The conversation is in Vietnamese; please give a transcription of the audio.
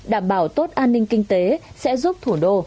đảm bảo tốt an ninh kinh tế sẽ giúp thủ đô